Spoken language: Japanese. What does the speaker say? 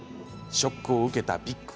ショックを受けたビック。